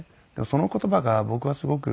その言葉が僕はすごく。